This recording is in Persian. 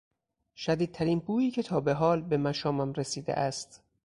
شدیدترین بویی که تابحال به مشامم رسیده است